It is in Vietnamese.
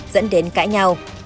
dẫn đến cãi nhau